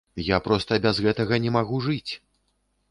Я проста без гэтага не магу жыць!